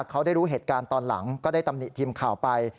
เขาได้รู้เหตุการณ์ตอนหลังก็ได้ตำหนิทีมข่าวไป